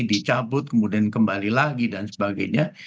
dicabut kemudian kembali lagi dan sebagainya